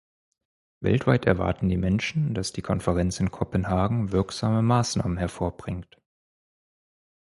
Weltweit erwarten die Menschen, dass die Konferenz in Kopenhagen wirksame Maßnahmen hervorbringt.